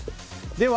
では